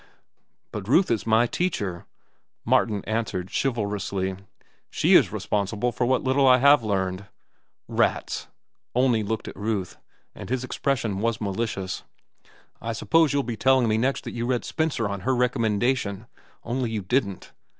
"But Ruth is my teacher," Martin answered chivalrously. "She is responsible for what little I have learned." "Rats!" Olney looked at Ruth, and his expression was malicious. "I suppose you'll be telling me next that you read Spencer on her recommendation—only you didn't.